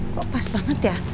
kok pas banget ya